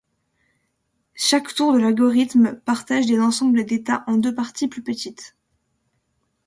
Chaque tour de l'algorithme partage des ensembles d'états en deux parties plus petites.